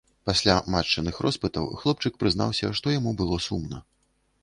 Пасля матчыных роспытаў хлопчык прызнаўся, што яму было сумна.